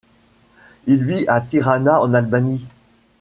Il vit à Tirana en Albanie.